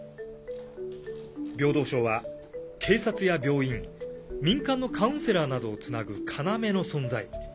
平等省は警察や病院民間のカウンセラーなどをつなぐ要の存在。